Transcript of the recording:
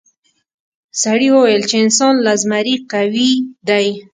سړي وویل چې انسان له زمري قوي دی.